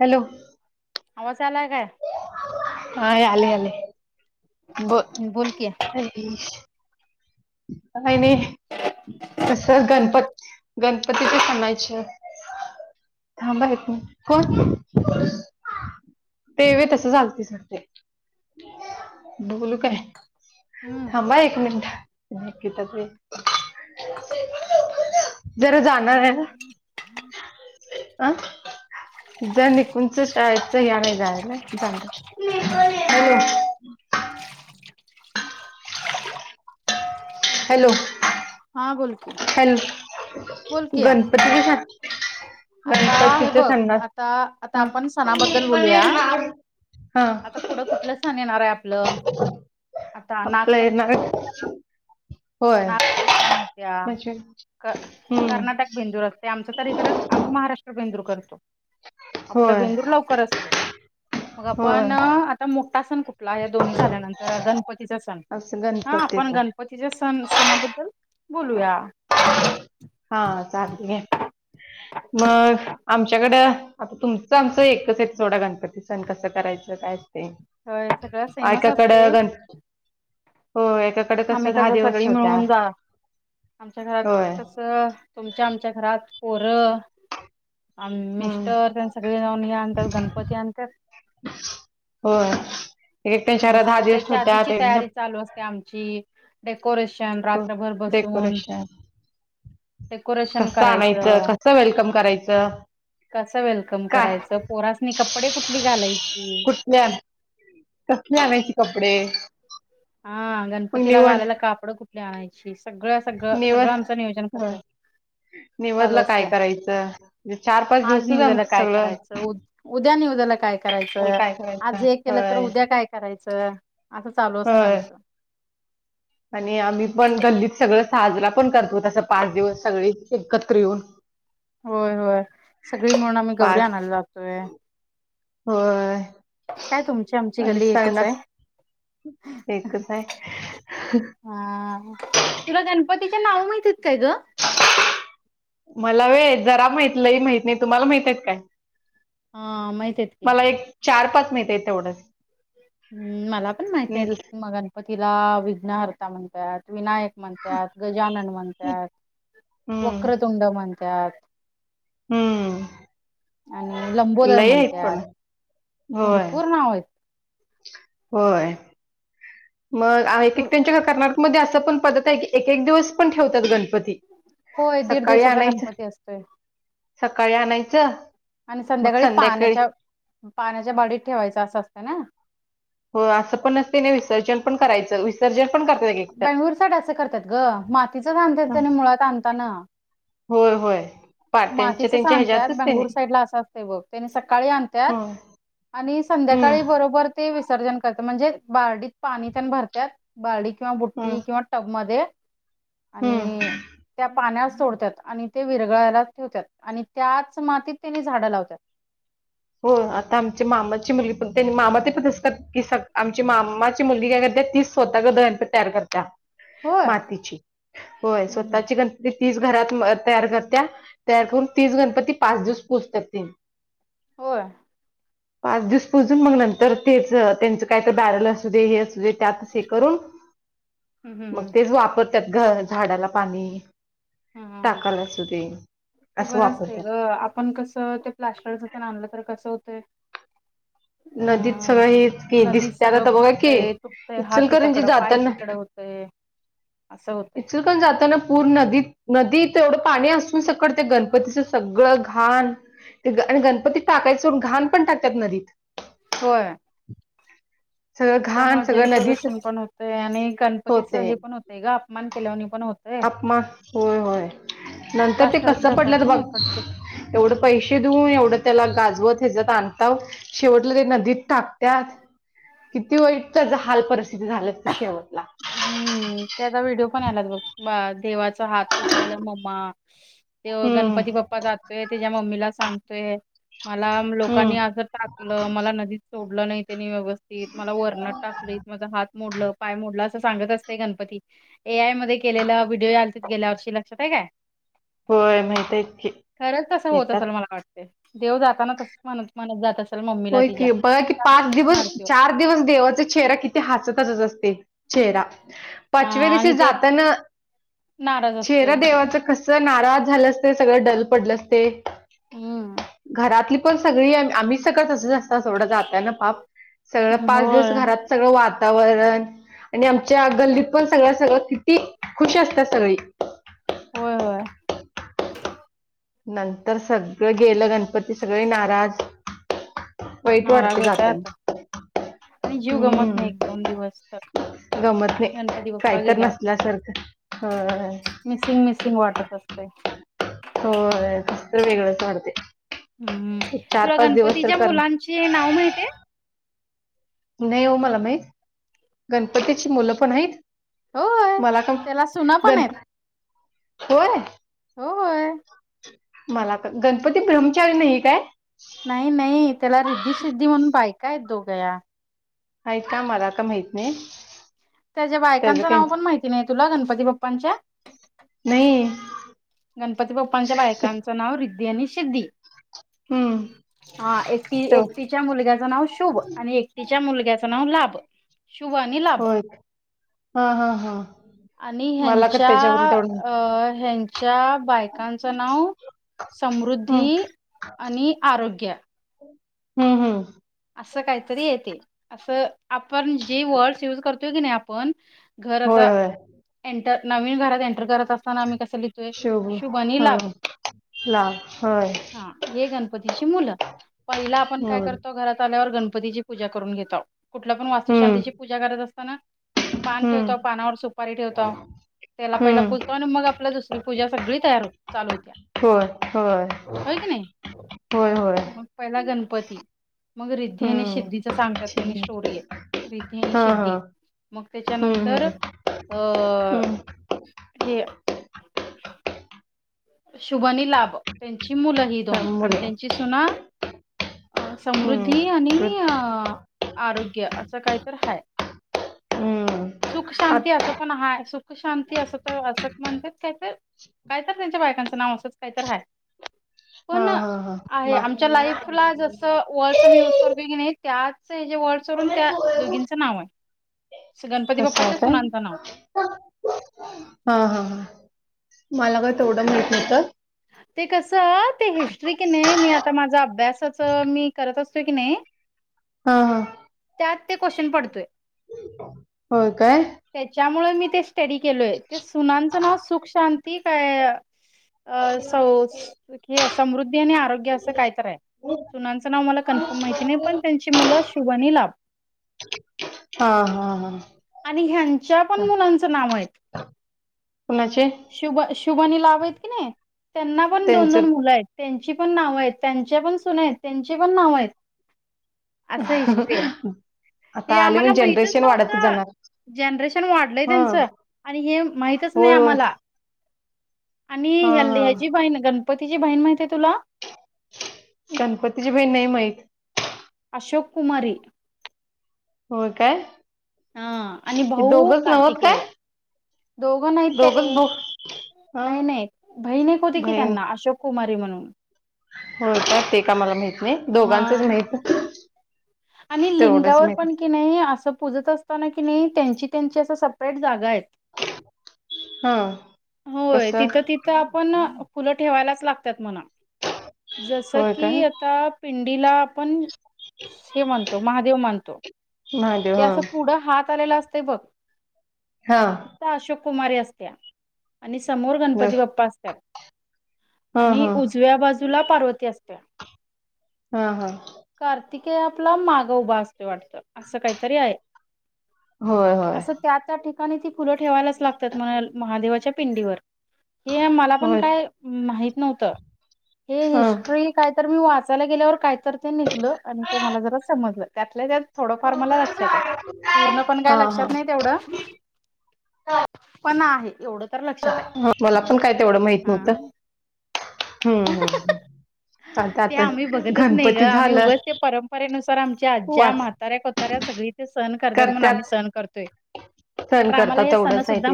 Hello. आवाज यालायं काय? होय यालाय यालाय बोल. नाही नाही. कसं गणपत गणपतीचे सणायची. थांब हं एक मिनिट कोण? ते व्हय तसं झालती सगळी बोलू काय. हम्म थांब हा एक मिनिट, निकिता चे [unintelligible] लवकर जा. जरा जाणार आय ना. आ? जानी कुंचं शाळेचं यायला जायला जायलय. मी पण येणार. हॅलो. हा बोल कि, हॅलो बोल किया. गणपतीचे सण आता हे गणपतीचे बघ सणात आता आता हा आपण सणाबद्दल बोलूया. हा आता पुढं कुठलं सण येणार आहे आपलं? आता आपलं येणार नागपंचमी होय. पंचमी येतिया. म्हणजे हम्म क-कर्नाटक बेंदूर असते आमचं तर इकडं आम्ही महाराष्ट्र बेंदूर करतो. आपलं होय बेंदूर लवकर असतोय मग आपण होय आता मोठा सण कु ठला आहे दोन्ही झाल्यानंतर गणपतीचा सण असं हा गणपती आपण येतो गणपतीच्या सण सणाबद्दल बोलूया. हा चागले, मग आमच्याकडं आता तुमचं आमचं एकच एक सोडा गणपती सण कसा करायचं काय असते. होय सगळ सेमच असतय. होय हेच्यात आम्ही कसं सगळी मिळवून जा आमच्या घरात होय कस तुमच्या आमच्या घरात पोरं आम हम्म मिस्टर तेन सगळे जाऊन हे आणतात गणपती आणत्यात. होय एकटच्याहरात दहा दिवस ठेवत्यात एक ते आमची डेकोरेशन रात्रभर बसून डेकोरेशन कस आणायचं, करायचं कस वेलकम करायचं. कसं वेलकम काय करायचं, पोरासनी कपडे कुठली घालायची. कसली आणायची कपडे हा मग गणपतीला निवड घालायला कापडं कुठली आणायची सगळं सगळं सगळं निवड आमचं नियोजन होय कसं चालू निवदला असतंय काय करायचं म चार पाच आज दिवसच निवद्याला आमच काय सगळं करायचं उ उद्या निवेदाला काय त्याला करायचं काय करायचं आज एक केलं तर होय उद्या काय करायचं, असं चालू असते होय. आमचं [inaudible] आणि आम्ही पण गल्लीत सगळं साजरा पण करतो तसं पाच दिवस सगळी एकत्र येऊन. होय होय सगळी मिळून आम्ही गौरी पाच आणायला जातोय. होय. काय तुमची आमची आणि गल्ली एकच आहे सनाच एकच हाय. हा तुला गणपतीचे नाव माहिती आयती का ग? मला व्हय जरा माहित लई माहित नायत. तुम्हाला माहित आयत काय? हा माहित आहेत की मला एक चार पाच माहिती आयत तेवढंच. हम्म, मला पण माहती आयत म गणपतीला विघ्नहर्ता म्हणतत विनायक म्हणतात गजानन म्हणतात हम्म वक्रतुंड म्हणतात. हम्म. आणि लंबोदर लई आहेत पण म्हणत्यात होय भरपूर नाव आयत. होय. मग आहे आहेत एक त्यांच्या घरात कर्नाटकमध्ये असं पण पद्धत आय की एक एक दिवस पण ठेवत्यात गणपती. होय दीड सकाळी दिवसाचा आणायचं, गणपती असतोय सकाळी आणायचं आणि संध्याकाळी पाण्याच्या पाण्याच्या बार्डीत ठेवायचं असं असतं ना? हो असं पण असतंय आणि विसर्जन पण करायचं, विसर्जन पण कर बेंगळुर साईड असं करतात गं, मातीचाचं आणतात हं. त्यानी मुळात आणताना. होय होय. पाट्यांच्या मातीचचं त्यांच्या आणत्यात ह्याच्यातच त्याने बेंगळुर साईडला असं असतंय बघं त्यानी सकाळी आणत्यात हम्म आणि हम्म संध्याकाळी बरोबर ते विसर्जन करत म्हणजे बारडीत पाणी तेन भरत्यात बारडी किंवा हम्म बुट्टी किंवा टब मध्ये. हम्म आणि त्या पाण्यात सोडत्यात आणि ते विरघळायला ठेवत्यात आणि त्याचं मातीत त्यांनी झाडं लावत्यात. हो आता आमची मामाची मुलगी पण त्यांनी मामा ते पण तसं करत्यात की आमची मामाची मुलगी काय करत्या ती स्वतः गणपती तयार करत्या होय मातीची होय हम्म हम्म स्वतःची गण तीच घरात तयार करत्या तयार करून तीच गणपती पाच दिवस पुजत्यात तीनी. होय! पाच दिवस पूजुन मग नंतर तेच त्यांचं काय तर बॅरल असू दे हे असू दे त्यातच हे करून ह मग तेच वापरत्यात घ झाडाला पाणी. हम्म हम्म हम्म टाकाला असू दे असं वापरत्यात पण कसं ते प्लास्टरचं तेन आणलं तर कसं होतंय नदीत अ सगळं हेच की नदीत दिसत्यात सगळं आता बघं की फुटतंय इचलकरंजी जाताना ते असं होतय. पण जाताना पूर नदीत नदी ते एवढं पाणी असून सकट ते गणपतीचं सगळं घाण आणि गणपतीत टाकायचं सोडुन घाण पण टाकत्यात नदीत. होय. [inaudible] घाण त्याच्यामुळं जल सगळं नदीच प्रदूषण पण होतंय आणि गणपतीच हे पण होतंय गं अपमान केल्यावाणी पण हो आपमा होय होय नंतर ते प्लास्टरचे कसं असतात पडल्यात ना इकडचे बघं एवढं पैसे देऊन एवढं त्याला गाजवत हेेज्यात आणताव शेवटलं ते नदीत टाकत्यात किती वाईट त्याचं हाल परिस्थिती झाल्यात शेवटला. हम्म ते आता व्हिडिओ पण आल्यात बघं, देवाचा हात तुटलेला मम्मा ते हम्म गणपती बाप्पा जातोय त्याच्या मम्मीला सांगतोय मला हम्म लोकांनी असं टाक ल मला नदीत सोडलं नाही त्यांनी व्यवस्थित मला वरनं टाकलंय माझा हात मोडलं पाय मोडलं असं सांगत असतय गणपती. ए आय मध्ये केलेला व्हिडिओ आलतीत गेल्या वर्षी लक्षात आहे काय? होय माहित आहेत की खरंच तसं होत येतात असलं मला वाटतयं. देव जाताना तसंच म्हणत म्हणत जात असेल मम्मीला होय तिच्या की बघा की पाच सांगत असणार दिवस तो. चार दिवस देवाचा चेहरा किती हसतचत असते चेहरा हा पाचव्या दिवशी आणि ते जातानं नाराज असतोय चेहरा देवाचं कसं नाराज झालं असते सगळं डल पडलं असते. हम्म. घरातली पण सगळी आम्ही सगळं सजव ताव सोड जाताना पाप सगळं पाच दिवस होय घरात सगळं वातावरण आणि आमच्या गल्लीत पण सगळ्या सगळं किती खुश असतात सगळी. होय होय. नंतर सगळं गेलं गणपती सगळे नाराज. वाईट नाराज वाटते होतात जाताना. आणि जीव हम्म गमत नाही एक दोन दिवस तर. गमत नाही, गणपती काही बाप्पा तर गेला नसल्यासारखं ह मिसिंग मिसिंग, वाटत असतय. होय, कसंतरी वेगळंच वाढते. हम् तुला गणपतीच्या कर मुलांची नाव माहितीये? नाही हो मला माहित. गणपतीची मुलं पण आहेत? होय मला त्याला सुना [unintelligible] पण गण आहेत होय? होय. मला तर, गणपती ब्रह्मचारी नाहीये काय? नाही नाही, त्याला रिद्धी सिद्धी म्हणून बायका आहेत दोघ्या. आहेत का? मला तर माहित नाही. त्याच्या त्याचं बायकांचं काही नाव पण माहिती नाही तुला? गणपती बाप्पांच्या? नाही. गणपती बाप्पांच्या बायकांचं नाव रिद्धी आणि सिद्धी. हम्म हा एक ती तेव एकतीच्या मुलग्याच नाव शुभ आणि एक तिच्या मुलग्याचं नाव लाभ. शुभ आणि लाभ. होय हा हा हा आणि मला का ह्यांच्या त्याच्याबद्दल तेवढं अ माहित- ह्यांच्या च्या बायकांचं नाव हम्म समृद्धी आणि आरोग्य. हम्म हम्म. असं काहीतरी आहे ते. असं आपण जे वर्ड्स युज करतोय की नाही आपण घर होय आता, होय एंटर नवीन घरात एंटर करत अस [unintelligible] कस लिहितोय शोभू शुभ आणि हा लाभ लाल होय हा. हे गणपतीची मुलं. पहिला आपण काय होय करतो घरात आल्यावर गणपतीची पूजा करून घेताव. कुठलं पण हम्म वास्तुशांतीची पूजा करत असताना, पान हम्म ठेवताव पानावर सुपारी ठेवताव त्याला पहिला हम्म पूजतो आणि मग आपल्या दुसरी पूजा सगळी तयार हो चालू होत्या. होय होय होय. मग पहिला गणपती. मग रिद्धी आणि हम्म सिद्धीचा सांगतात त्याने ठीक स्टोरी आहे. रिद्धी आणि हा हा सिद्धी. मग हम्म त्याच्यानंतर हम्म अ हम्म हे. शुभ आणि लाभ त्यांची मुलं ही दोन आणि चांगलं. त्यांची सुना अ हम्म समृद्धी आणि अ आरोग्य असं काही तर हाय. हम्म सुख आत- शांती असं पण हाय. सुख शांती असं तर असं म्हणत्यात काय त. काय त त्यांच्या बायकांचं नाव असंच काही तर हाय. हा पण हा हा आहे, मा आमच्या लाईफला जस वर्डस आम्ही युज करतो की नाही त्याच याचे वर्डस वरून त्या दोघींचं नाव आहे. गणपती तस आहे बाप्पाच्या काय? सुनांचं नाव. हा हा हा मला काय तेवढं माहित नव्हत. ते कसं ते हिस्ट्री कि नइ मी आता माझा अभ्यासाच मी करत असतो की नइ हा हा त्यात ते क्वेश्चन पडतोय. होय काय त्याच्यामुळे मी ते स्टडी केलोय, ते सुनांचं नाव सुख शांती काय अ सौस हे समृद्धी आणि आरोग्य असं काय तर आहे. सुनांचं नाव मला कन्फर्म माहिती नाही पण त्यांच ची मुलं शुभ नी लाभ. हा हा हा. आणि ह्यांच्या पण मुलांचं ना मायत. कोणाचे? शुभ शुभनी लावयत की नई त्यांना पण दोन त्यांचे दोन मुलंयत. त्यांची पण नावंयत त्यांच्या पण सुनायत त्यांची पण नावयत. असं हिस्ट्री आय, आता हे आले आम्हाला म्हणजे माहितंच जनरेशन वाढतच नव्हतं. जाणार जनरेशन वाढलंय हा त्यांचं आणि हे माहितच नाई होय होय आम्हाला. आणि हा ह्याल हा ह्याची बहीण गणपतीची बहीण माहिताय तुला? गणपतीची बहीण नई माहित. अशोक कुमारी. हो काय. हा आणि हे भाऊ दोघंच नव्हत काय कार्तिकेय दोघं नाईत त्याने दोघंच भाऊ हा नई नई भईण एक होती की बहीण त्यांना अशोक कुमारी म्हणून. होय का, ते का मला माईत नाई हा दोघांचंच माईत आणि लिंगावर माहिती पण कि नाई असं पूजत असताना कि नाई त्यांची त्यांची असं सपरेट जागायत. हा होय कसं तिथं तिथ् त्यापणं फुलं ठेवायलाच लागतात म्हणा जसं होय की काय आता पिंडीला आपण हे म्हणतो महादेव माणतो महादेव ते हा असं पुढं हात आलेला असतय बघ हा. त्या अशोक कुमारी असतेया. आणि समोर गणपती बाप्पा असत्यात हा आणि हा उजव्या बाजूला पार्वती असत्या. हा हा. कार्तिकेय आपला मागं उभा असतोय वाटत असं काईतरी आये. होय होय. त्या त्या ठिकाणी ती फुलं ठेवायलाच लागतात म्हणा महादेवाच्या पिंडीवर. हे मला पण होय काय माहीत नव्हतं हे हा हिस्ट्री काई तर मी वाचायला गेल्यावर कायतर ते निघलं अणी ते मला जरा समजलं त्यातल्या त्यात थोडंफार मला लक्षाताय पूर्ण पण काय हा हा ह लक्षात नाय तेवढं. पण आहे एवढं तर लक्षात आहे ह मला पण काय तेवढं माईत हा. नव्हतं, हम्म हम्म हम्. ते आम्ही बघतच नई ग आम्ही झालं उगंच त्या परंपरेनुसार आमच्या आज्ज्या वाच म्हाताऱ्या कोतऱ्या सगळी ते सण करत्यात म्हण आम्ही सण करतोय. सण करता तेवढंचाय ते.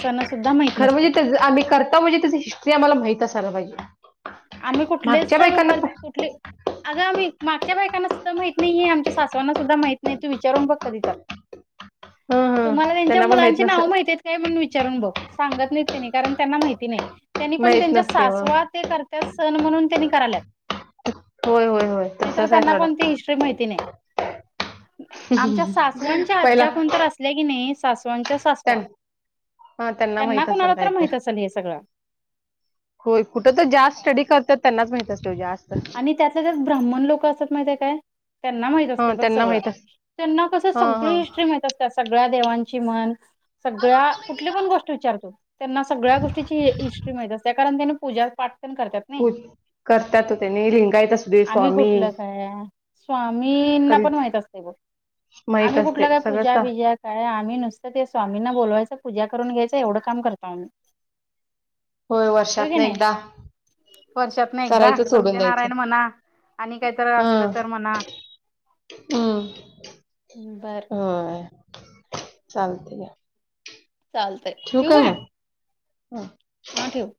सणं सुद्धा मा खरं म्हजे त्याचं आम्ही करता म्हजे त्याची हिस्ट्री आम्हाला माहित असायला पाईजे. आम्ही कुठलेच सण करता कुठली. अगं आम्ही मागच्या बायकांना सुद्धा माहीत नाई ही आमच्या सासवांना सुद्धा माहित नाही तू विचारून बघ कधी तर. हं हं तुम्हाला त्यांच्या त्यांना पण माहित मुलांची नस नावं माईतीयत् काय म्हण विचारून बघ सांगत नई त्यांनी कारण त्यांना माईती नाई त्यांनी पण माहित त्यांच्या नसते व सासवा ते कर त्या सण म्हणून त्यानी कराल्या होय होय होय नाई तर तसंच आहे त्यांना पण सोडा ती हिस्ट्री माईती नाई. आमच्या सासवांच्या पहिला आज्ज्या कोण तर असल्या की नई सासवांच्या त्यां सासवा. हा त्यांना माहित असेल कोणाला तर काही माहित असंल हे सगळं. होय कुठं त जास्त स्टडी करतात त्यांनाच माहित असते जास्त. आणि त्यातले त्यात ब्राह्मण लोक असतात माहिताय काय त्यांना माहित असत हा बघ त्यांना सगळं, माहित अस त्यांना कसं हा हा सगळी हिस्ट्री माहित अस त्या सगळ्या देवांची म्हण सगळ्या, कुठली पण गोष्ट विचार तू, त्यांना सगळ्या गोष्टीची हिस्ट्री माहित असत कारण त्याण पूजा पाठ ण ते करत्यात. [unintelligible] त्याने लिंगायत असू दे आम्ही स्वामी कुठलं काय, स्वामींना कधी पण माहित असत बघ. माहित आम्ही कुठल असते काय, सगळंच सा- पूजा-बिजा काय आम्ही नुसतं, ते स्वामींना बोलवायचं, पूजा करून घ्यायचं, एवढं काम करतो, आम्ही. होय हो वर्षात की ना नाही? एकदा वर्षात न एकदा. करायचं सोडून द्यायचं सत्यनारायण म्हणा आणि काहीतर हा असलं, तर म्हणा हम्म, बर होय चालते क चाल ठेवू काय, मग? हां ठेव.